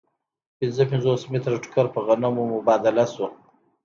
پنځه پنځوس متره ټوکر په غنمو مبادله شو